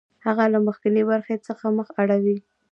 هغه له مخکینۍ برخې څخه مخ اړوي